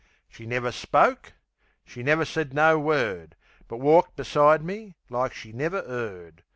She never spoke; she never said no word; But walked beside me like she never 'eard.